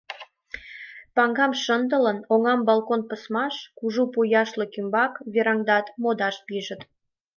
Паҥгам шындылын, оҥам балкон пысмаш, кужу пу яшлык ӱмбак, вераҥдат, модаш пижыт.